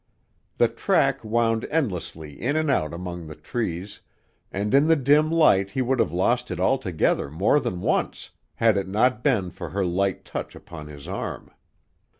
The track wound endlessly in and out among the trees, and in the dim light he would have lost it altogether more than once had it not been for her light touch upon his arm.